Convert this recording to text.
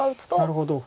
なるほど。